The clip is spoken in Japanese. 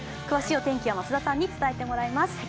詳しい天気は増田さんに伝えてもらいます。